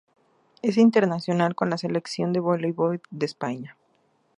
Es internacional con la selección de voleibol de España.